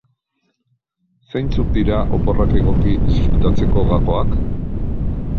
Zeintzuk dira oporrak egoki disfrutatzeko gakoak?